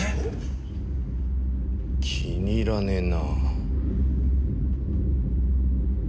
気に入らねえな。